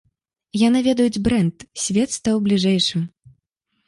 Яны ведаюць брэнд, свет стаў бліжэйшым.